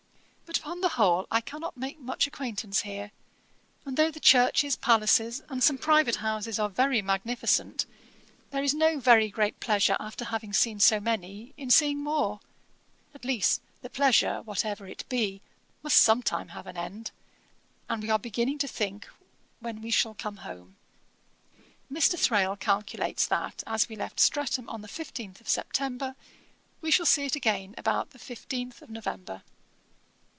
But upon the whole I cannot make much acquaintance here; and though the churches, palaces, and some private houses are very magnificent, there is no very great pleasure after having seen many, in seeing more; at least the pleasure, whatever it be, must some time have an end, and we are beginning to think when we shall come home. Mr. Thrale calculates that, as we left Streatham on the fifteenth of September, we shall see it again about the fifteenth of November.